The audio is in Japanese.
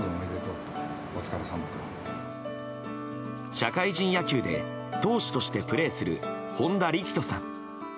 社会人野球で、投手としてプレーする本田力斗さん。